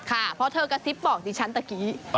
เพราะเธอกระซิบบอกดิฉันตะกี้